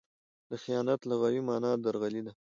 د خیانت لغوي مانا؛ درغلي ده.